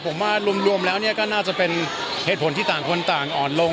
ผมว่ารวมแล้วก็น่าจะเป็นเหตุผลที่ต่างคนต่างอ่อนลง